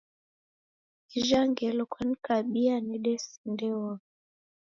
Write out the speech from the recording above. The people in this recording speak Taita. Ijha ngelo kwanikabia nedesindeogha.